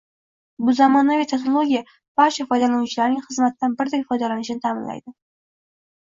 Bu zamonaviy texnologiya barcha foydalanuvchilarning xizmatdan birdek foydalanishini ta’minlaydi